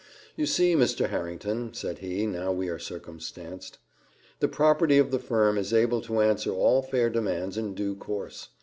"'You see, Mr. Harrington,' said he, 'how we are circumstanced. The property of the firm is able to answer all fair demands in due course.